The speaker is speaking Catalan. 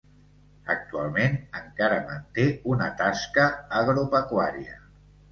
Actualment encara manté una tasca agropecuària.